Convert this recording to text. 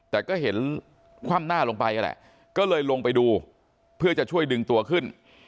แต่ก็เห็นคว่ำหน้าลงไปนั่นแหละก็เลยลงไปดูเพื่อจะช่วยดึงตัวขึ้น